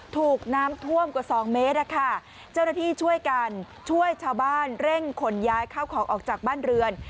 ถูกน้ำท่วมกว่าสองเมตรนะคะเจ้าหน้าที่ช่วยกันช่วยชาวบ้านเร่งขนย้ายเข้าของออกจากบ้านเรือน